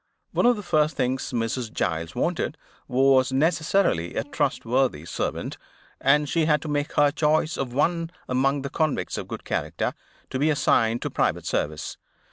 One of the first things Mrs. Giles wanted was necessarily a trustworthy servant, and she had to make her choice of one among the convicts of good character, to be assigned to private service.